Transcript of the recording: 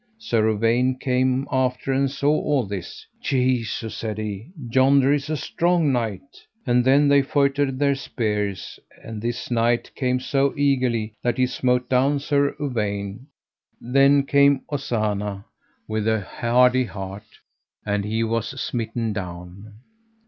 Sir Uwaine came after and saw all this. Jesu, said he, yonder is a strong knight. And then they feutred their spears, and this knight came so eagerly that he smote down Sir Uwaine. Then came Ozana with the hardy heart, and he was smitten down.